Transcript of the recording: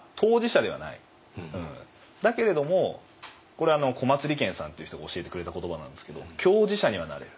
だけれどもこれ小松理虔さんって人が教えてくれた言葉なんですけど「共事者」にはなれる。